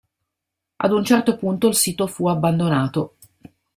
Ad un certo punto il sito fu abbandonato.